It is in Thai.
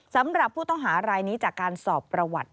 สำหรับผู้ต้องหารายนี้จากการสอบประวัติ